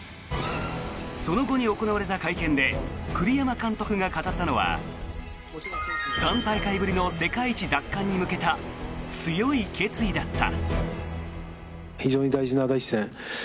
その後に行われた会見で栗山監督が語ったのは３大会ぶりの世界一奪還に向けた強い決意だった。